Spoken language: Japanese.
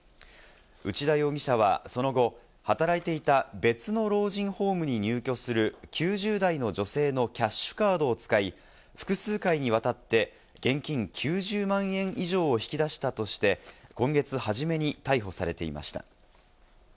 内田容疑者はその後、働いていた別の老人ホームに入居する９０代の女性のキャッシュカードを使い、複数回にわたって現金９０万円以上を引き出したとして、今月初めに逮捕されていました。